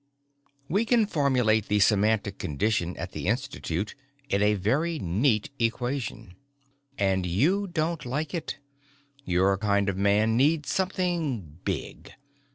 We can formulate the semantic condition at the Institute in a very neat equation. "And you don't like it. Your kind of man needs something big.